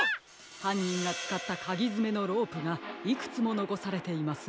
はんにんがつかったかぎづめのロープがいくつものこされています。